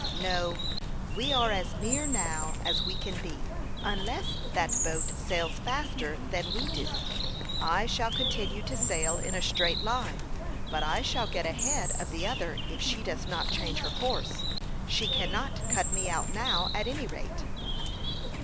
"No; we are as near now as we can be, unless that boat sails faster than we do. I shall continue to sail in a straight line, but I shall get ahead of the other if she does not change her course. She cannot cut me out now, at any rate."